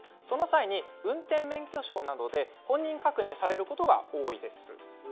その際に運転免許証などで本人確認されることが多いです。